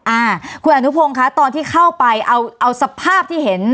อ่าคุณอนุพงศ์คะตอนที่เข้าไปเอาเอาสภาพที่เห็น